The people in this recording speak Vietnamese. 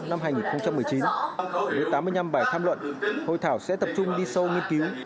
với tám mươi năm bài tham luận hội thảo sẽ tập trung đi sâu nghiên cứu